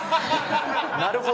なるほど。